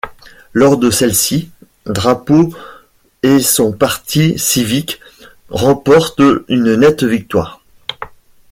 Lors de celles-ci, Drapeau et son Parti civique remportent une nette victoire.